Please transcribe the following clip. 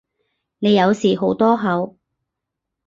你有時好多口